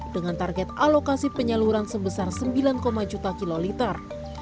dengan target alokasi penyaluran sebesar sembilan juta kiloliter